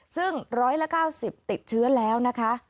ซึ่ง๑๙๐ติดเชื้อแล้วนะคะ